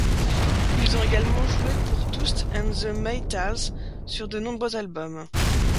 Ils ont également joué pour Toots And The Maytals sur de nombreux albums.